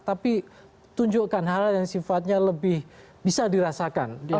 tapi tunjukkan hal hal yang sifatnya lebih bisa dirasakan